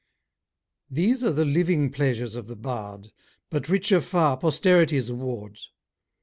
These are the living pleasures of the bard: But richer far posterity's award.